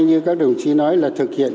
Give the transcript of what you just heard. như các đồng chí nói là thực hiện